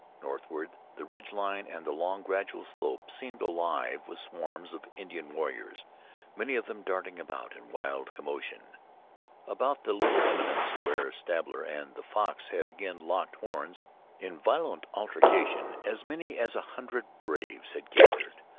Northward the ridge line and the long, gradual slope seemed alive with swarms of Indian warriors, many of them darting about in wild commotion. About the little eminence where Stabber and the Fox had again locked horns in violent altercation, as many as a hundred braves had gathered.